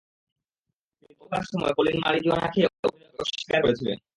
কিন্তু অভিনয় করার সময় কলিন মারিজুয়ানা খেয়ে অভিনয় করতে অস্বীকার করেছিেলন।